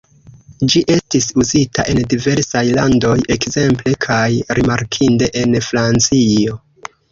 Ĝi estis uzita en diversaj landoj, ekzemple kaj rimarkinde en Francio.